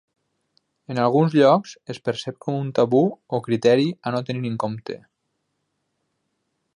En alguns llocs es percep com un tabú o criteri a no tenir en compte.